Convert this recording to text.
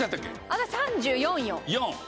私３４よ。